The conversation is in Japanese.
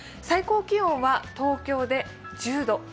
最高気温は東京で１０度。